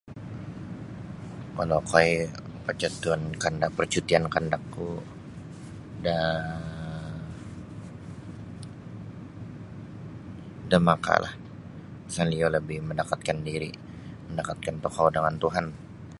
Kalau okoi percutian kan percutian kandakku da da Makahlah sebap iyo labih mendekatkan diri mendekatkan tokou dengan Tuhan.